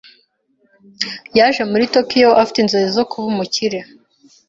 Yaje muri Tokiyo afite inzozi zo kuba umukire.